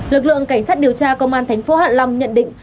lực lượng cảnh sát điều tra công an tp hạ long nhận định